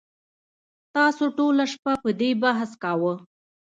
تاسو ټوله شپه په دې بحث کاوه